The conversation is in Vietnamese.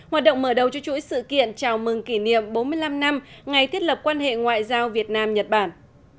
hoạt động mở đầu cho chuỗi sự kiện chào mừng kỷ niệm bốn mươi năm năm ngày thiết lập quan hệ ngoại giao việt nam nhật bản